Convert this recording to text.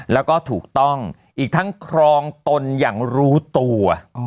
แล้วก็ถูกต้องอีกทั้งครองตนอย่างรู้ตัว